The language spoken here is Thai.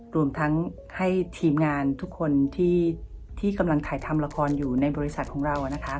รวมทั้งให้ทีมงานทุกคนที่กำลังถ่ายทำละครอยู่ในบริษัทของเรานะคะ